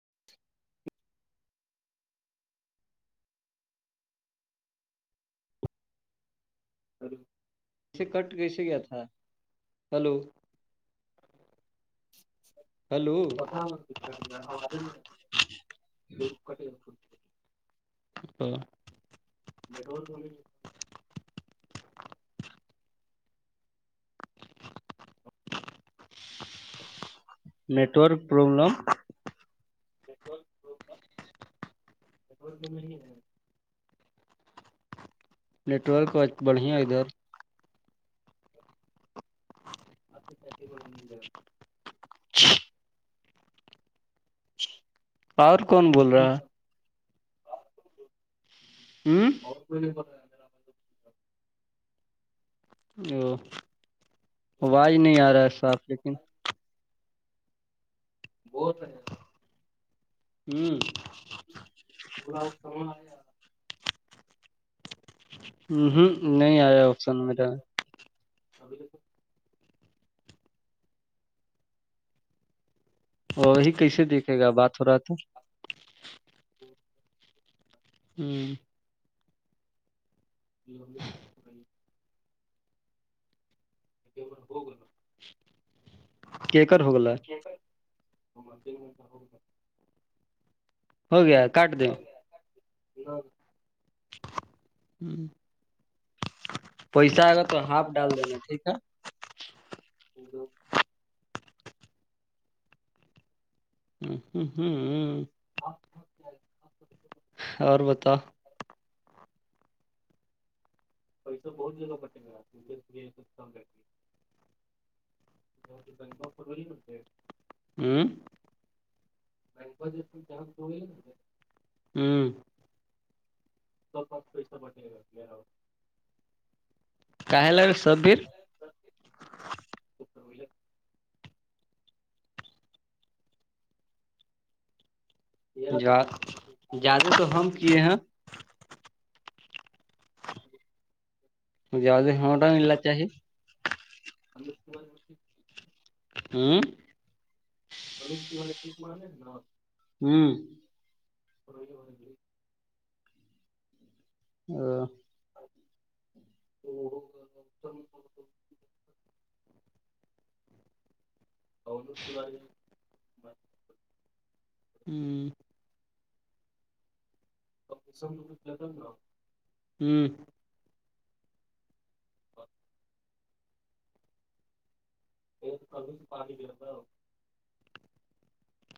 [inaudible] ہ سے کٹ کیسے کیا تھا ہلو بت م [unintelligible] کٹ ا نہیں روز ہو نیٹورک پربلم تو نہیں ہے نیٹ ورک کا ایک بڑھیا ادھر [inaudible] اور کون بول رہا ہے ہوں [inaudible] آواز نہیں آ رہا ہے صاف لیکن بول رہے ہیں ہم [unintelligible] نہیں آیا آپشن میرا اور وہی کیسے دیکھے گا بات ہو رہا تو ہم [unintelligible] [unintelligible] کیکر ہوگلا [unintelligible] ہو گیا کاٹ دیں [unintelligible] پیسہ آئے گا تو ہاف ڈال دیں گے ٹھیک ہے [unintelligible] ہم ہم ہم اور بتاؤ [unintelligible] [unintelligible] ہم [unintelligible] ہم [unintelligible] [unintelligible] جو زیادہ تو ہم کیے ہیں جیادی ہوٹا ملنا چاہی [unintelligible] ہم [unintelligible] ہم [unintelligible] [unintelligible] [unintelligible] [unintelligible] ہم [unintelligible] ہم [unintelligible] [unintelligible]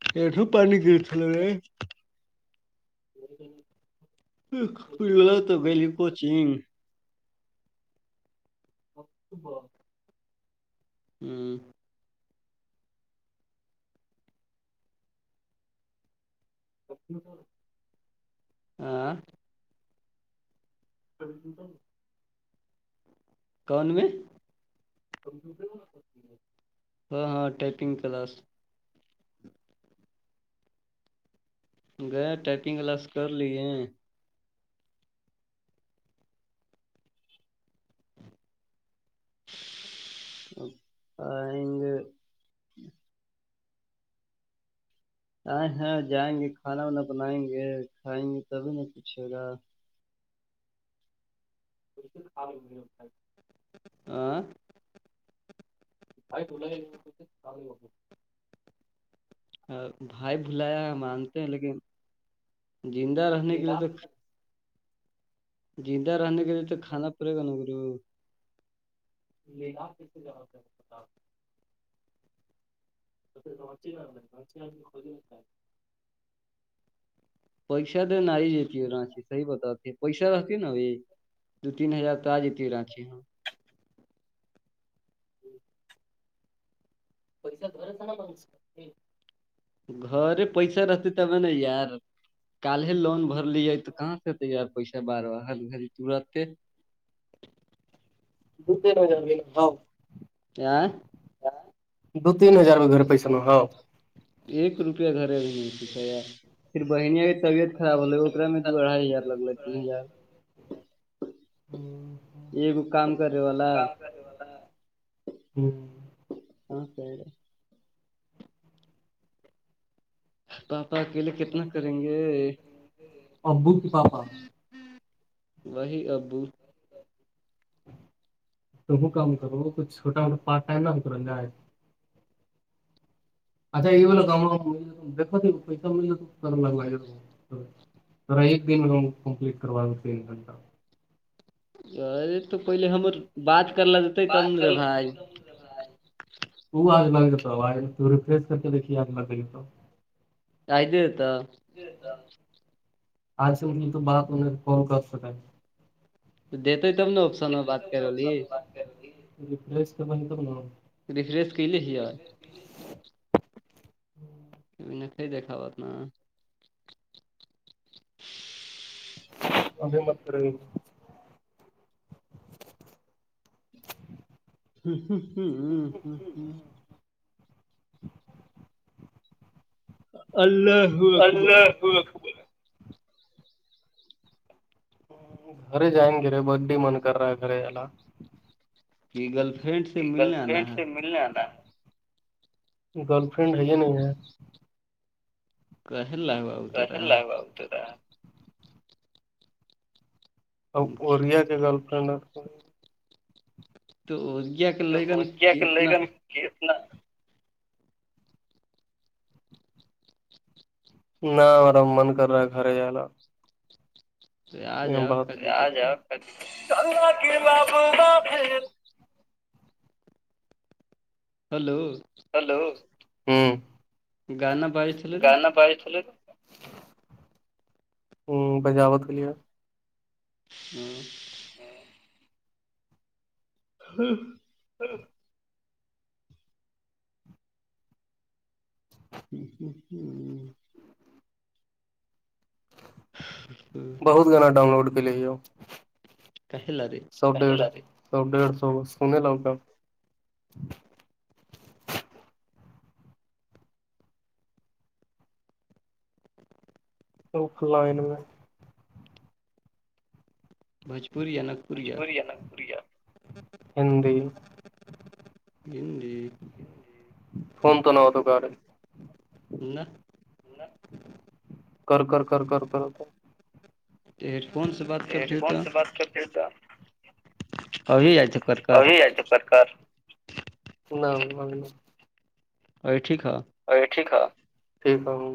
[unintelligible] [unintelligible] [unintelligible] [unintelligible] ہوں [unintelligible] آاں [unintelligible] کون میں کمپیوٹر ہاں ہاں ٹائپنگ کلاس گئے ٹائپنگ کلاس کر لیے ا گ آ ہ جائیں گے کھانا وانا بنائیں گے کھائیں گے تبھی نہ کچھے گا ب سے کھالی گ آ ولا ہے ل سارے ہو بھائی بھلایا ہے مانتے ہیں لیکن زندہ رہنے کے لیے تو زندہ رہنے کے لیے تو کھانا پڑے گا نا گرو للا کیسے جا بتا چ خ پیسہ تو نہ آاری جاتتی ہے رانچ صحی بتاتی پیسہ رہتی ہے نا وہائی دو تین ہزار تو آ جاتتی ہے رانچی ہاں پیس بر س ہے نا م گ ر پیسا رستتے ت میں نہیں یار کل ہے لون بھر لی تو کہاں سے یار پیسا بار ہر گ دوراتر د دیر جا ہ آ دو تین ہزار میں گھر پیسان ہا ایک روپیہ گھر بھی نہیں سھا ار پھر بہنیاں طبیت خراب ہوے اا میں دو اھائی ہزار لگلے تین ہزار ہوں یہگو کام کرے والاا تو آپ کا اکیلے کتنا کریں گے وہی ابو تم کام کرو کچھ چھوٹا موٹا پارٹ ٹائم نہ بھی کرا جائے اچھا یہ بوللا کم دھو ت پیسہ مل ج تو کرا لگا ذرا ایک دن کمپلیٹ کروا دو تین گنٹہ ارے تو پہلے ہمر بات کرلا دیتے تب ن رے بھائی وہ آج لگ دی ریفس کر کے دیکھیے آگ لگ لگے تو آئیدے آتاا آج ان کی تو بات انیں کال کر س تو دیتے ہی تب ن آپشن میں بات کرولی رس بن تو ریفریش کیلے ہیے نہ کئی دیکھاوات نا ابھی م ہ ہ ہ ہ ہ ہ الللہ اللہ گھر جائ گ رے برھ ڈے من کر رہا ہے گھر یہا کہ گرل فرینڈ سے ملنے آنا ہے ملنے وڈا گرل فرینڈ ہےج نہیں ہے لا ب توس لگ آگتا تھاا اور کوریا کے گرلفرنڈ تو گیا کے لگن کہ اتنا یہتنا نہ میرا من کر رہا ہے گھر جا بہت سے آ جؤ ہلو ہلو گانا پائی ل تو ہوں بجاوت کے لیے ہاں ہاں جی ہ ہ ہ تو بہت گانا ڈاؤن لوڈ کرلے ہو کہہل ر سب ڈیڑھ س سب ڈیڑھ سو سونے لگ گا توب کھلا ہے میں بھجپوری نک بھجپوریا نگ بوریا ہندی بھڈی ج فون تو نہ ہو تو گار نہ کر کر کر کر کر کر ہیڈ فونس کون سے بات کرتے تو آپ ا آیا چ پرکار اور ٹھیک ہا ارے ٹھیک ہے ٹھیک ہے ہ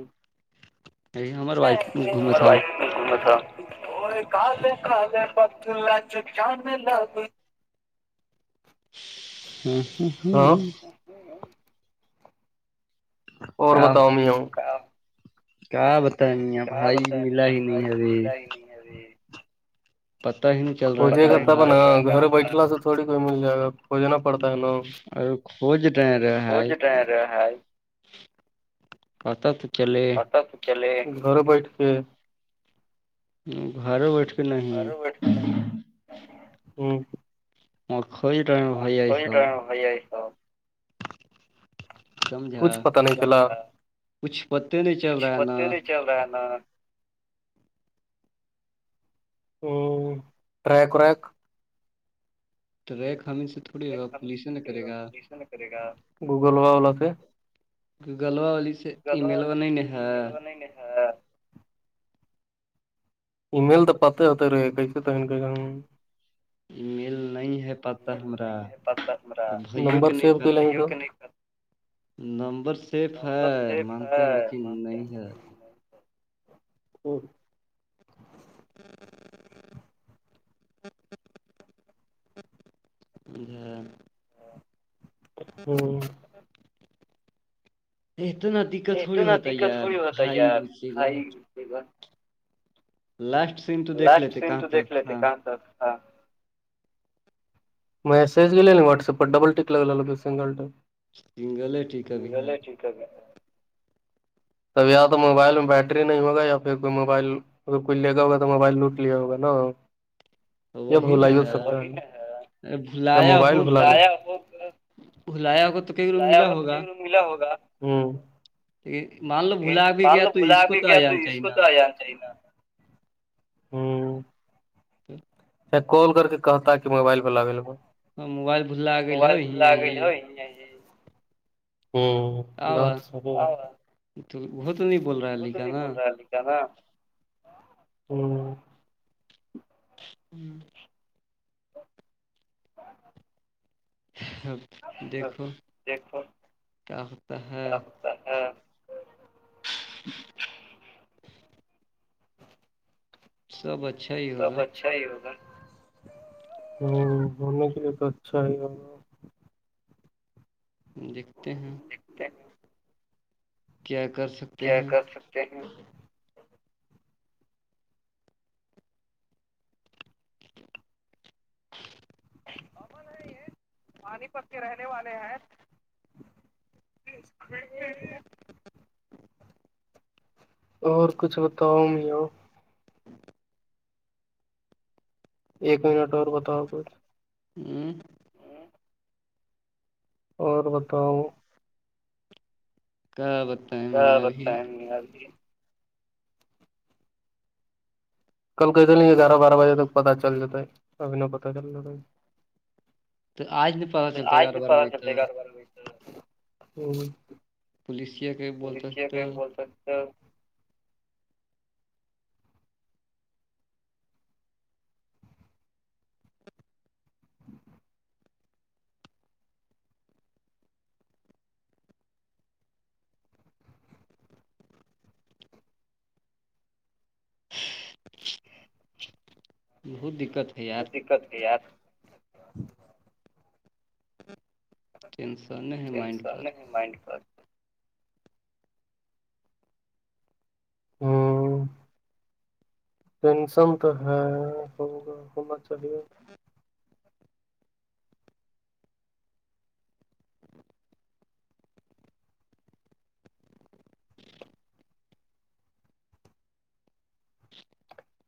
یہ ہمار وائف گھومے تھا کالے کالے پت لچ چان ل [unintelligible] ہاں ہاں ہاں اور بتاؤ می ہوں کیا بتائیں بھائی ملا ہی نہیں ہے ابھی کوجے گا تب نا گھر بیٹھلا تو تھوڑی کوئی مل جائے گا کھجنا پڑتا ہے نا بج ڈٹر رہا ہے قتا تو چلے چلے گھر بیٹھ کے گھر بیٹھ کے نہیں ہوں م خوئی ر بی آئیس یہ سب کچھ پتا نہیں چلا کچھ پتے نہیں چل رہا ہے نا ہ ٹریک ریک ٹریک ہمیں سے ے کرے گا گوگل والا پہ گوگل و والی سے ای میل بن ن ہے ہے ای میل تو پت ہوتے رہے کیسے تو کہ ای میل نہیں ہے پتہ ہمار نمبر سیو کر لیں گے نمبر صیف ہے مانتے ہیں لیکن نہیں ہے [unintelligible] ا ہوں تو ندک ا توناا دقت تھوڑی ہوتا ہے یار آائی گ لچ لاسٹ سین تو دیکھ لیتے کہاں تک ہاں میسج گ لیے نہیں واٹس ایپ پر ڈبل ک لگ لگے سنگل سنگل ہے ٹھیک بھی ہے اب یا تو موبائل میں بیٹری نہیں ہوگا یا پھر کوئی موبائل اگر کوئی لے گا ہوگا تو موبائل لوٹ لیا ہوگا نا یہ بلا ہی ہو سکتا ہے ا بھلایا ہوگ بھلایا ہوگا تو کئی رگ ملا ہوگا ملا ہوگا ہ مال مان لو گلاب ہی گ تو اس کو تو آ جان چاہیے نا تو چ کال کر کے کہتا کی موبائل کو لگے لا موبائل بوللا گل ہو بہت وہ تو نہیں بول رہا لکھا ہوں ہوں اب دیکھو کیا ہوتا ہے ا ہاں سب اچھا سب اچھا ہی ہوگا ہ ہونے کے لیے تو اچھا ہی ہوگا دیکھتے ہیں ایکتے کیا کر سک کیا کر سکتے ہیں امن ہے یہ پانی پ کے رہنے والے ہیں جی اور کچھ بتاؤ میں ایک منٹ اور بتاؤ کچھ ہوں اور بتاؤ ق بت کیا بت ہے بھی کل کہس نہیں کہ گیارہ بارہ بجے تک پتا چل جتا ہے ابھی ن پتا چل جاتا آئ بھی پا چلتے گاربار میں پولیس کے پ بہت سچھ بہت دقت ہے یار یار ٹینسن ہے مائنڈ پر مائنڈ پر ہاں ٹینشن تو ہے ہوگا ہونا چاہیے جی